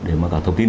để mà các thông tin